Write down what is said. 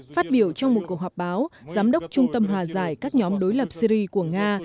phát biểu trong một cuộc họp báo giám đốc trung tâm hòa giải các nhóm đối lập syri của nga